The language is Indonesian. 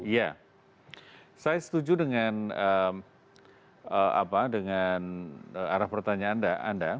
ya saya setuju dengan arah pertanyaan anda